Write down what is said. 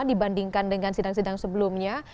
dibandingkan dengan sidang sidang sebelumnya